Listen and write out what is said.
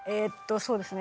そうですね